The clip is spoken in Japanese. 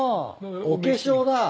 お化粧だ。